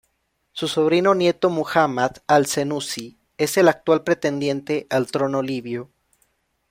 Su sobrino nieto, Muhammad al-Senussi, es el actual pretendiente al trono libio.